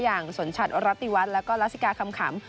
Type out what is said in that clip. อย่างสนชัดรัตติวัตรแล้วก็รัสสิกาคำขำ